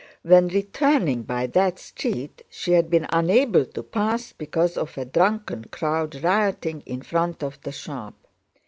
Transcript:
When returning by that street she had been unable to pass because of a drunken crowd rioting in front of the shop.